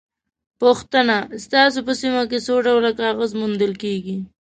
پوښتنه: ستاسو په سیمه کې څو ډوله کاغذ موندل کېږي؟